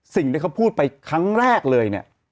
สิ่งที่เขาพูดไปครั้งแรกเลยเนี่ย